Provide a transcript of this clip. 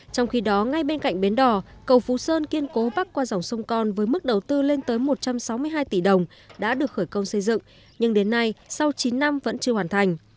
trong khi đó ngay bên cạnh bến đỏ cầu phú sơn kiên cố bắc qua dòng sông con với mức đầu tư lên tới một trăm sáu mươi hai tỷ đồng đã được khởi công xây dựng nhưng đến nay sau chín năm vẫn chưa hoàn thành